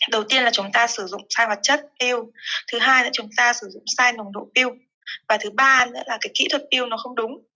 đầu tiên là chúng ta sử dụng sai hóa chất piêu thứ hai là chúng ta sử dụng sai nồng độ piêu và thứ ba là kỹ thuật piêu nó không đúng